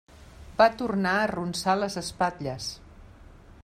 Va tornar a arronsar les espatlles.